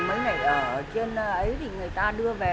mấy ngày ở trên ấy thì người ta đưa về